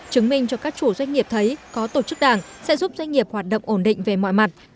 chứng minh cho các chủ doanh nghiệp thấy có tổ chức đảng sẽ giúp doanh nghiệp hoạt động ổn định về mọi mặt